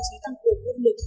cố trí tăng cường nguyên liệu